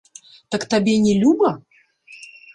Так табе не люба?